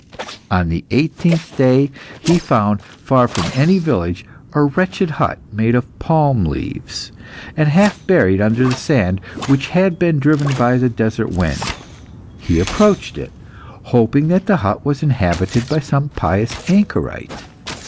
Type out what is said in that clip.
On the eighteenth day, he found, far from any village, a wretched hut made of palm leaves, and half buried under the sand which had been driven by the desert wind. He approached it, hoping that the hut was inhabited by some pious anchorite.